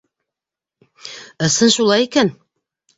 Ысын шулай икән!